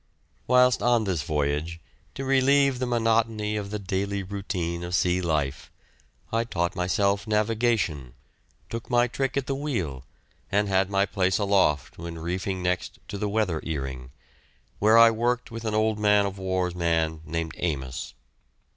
Whilst on this voyage, to relieve the monotony of the daily routine of sea life, I taught myself navigation, took my trick at the wheel, and had my place aloft when reefing next to the weather earing, where I worked with an old man of war's man named Amos.